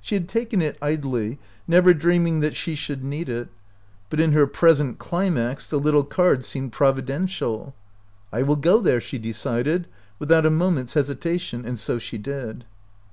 She had taken it idly, never dreaming that she 43 OUT OF BOHEMIA should need it ; but in her present climax the little card seemed providential. " I will go there," she decided, without a moment's hes itation ; and so she did.